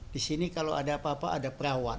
di sini kalau ada apa apa ada perawat